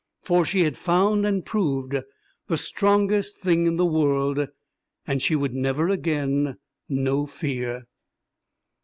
For she had found and proved the strongest thing in the world, and she would never again know fear.